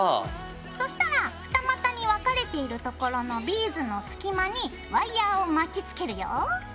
そしたら二股に分かれているところのビーズの隙間にワイヤーを巻きつけるよ。